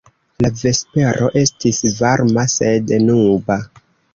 La vespero estis varma, sed nuba.